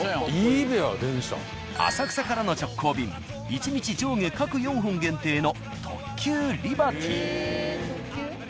浅草からの直行便１日上下各４本限定の特急リバティ。